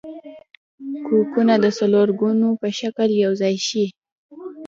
کوکونه د څلورګونو په شکل یوځای شي.